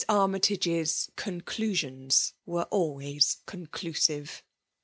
Armytage's " conclusions" were always conclusive.